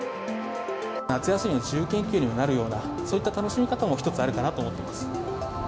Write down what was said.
夏休みの自由研究になるような、そういった楽しみ方も一つあるかなと思ってます。